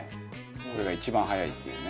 これが一番早いっていうね。